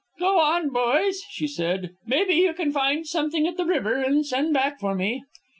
"Go on, boys," she said. "Maybe you can find something at the river and send back for me."